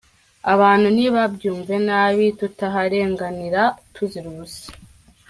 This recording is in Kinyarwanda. Abantu ntibabyumve nabi, tutaharenganira tuzira ubusa.